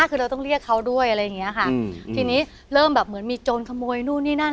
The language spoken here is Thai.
คือเราต้องเรียกเขาด้วยอะไรอย่างเงี้ยค่ะอืมทีนี้เริ่มแบบเหมือนมีโจรขโมยนู่นนี่นั่น